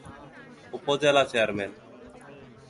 উপজেলা চেয়ারম্যান।